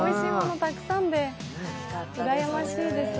たくさんでうらやましいです。